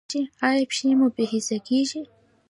ایا پښې مو بې حسه کیږي؟